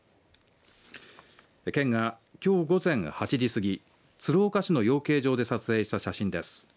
県が、きょう午前８時過ぎ鶴岡市の養鶏場で撮影した写真です。